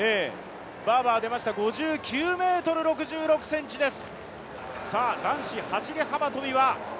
バーバー出ました、５９ｍ６６ｃｍです。